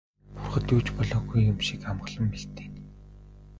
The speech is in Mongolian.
Бурхад юу ч болоогүй юм шиг амгалан мэлтийнэ.